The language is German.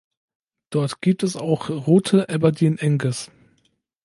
Dort gibt es auch rote Aberdeen Angus.